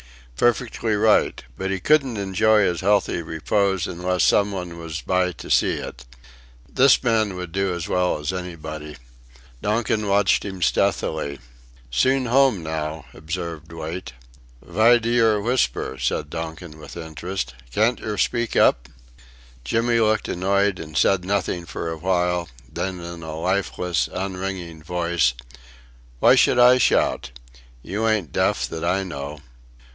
Perfectly right but he couldn't enjoy his healthful repose unless some one was by to see it. This man would do as well as anybody. Donkin watched him stealthily: "Soon home now," observed Wait. "Vy d'yer whisper?" asked Donkin with interest, "can't yer speak up?" Jimmy looked annoyed and said nothing for a while; then in a lifeless, unringing voice: "Why should I shout? You ain't deaf that I know."